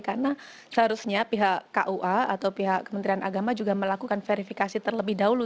karena seharusnya pihak kua atau pihak kementerian agama juga melakukan verifikasi terlebih dahulu